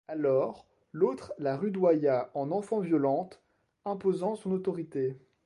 Alors, l'autre la rudoya en enfant violente, imposant son autorité.